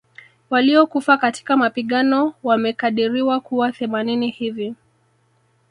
Waliokufa katika mapigano wamekadiriwa kuwa themanini hivi